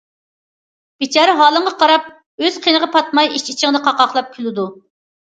بىچارە ھالىڭغا قاراپ ئۆز قىنىغا پاتماي ئىچ- ئىچىدىن قاقاقلاپ كۈلىدۇ.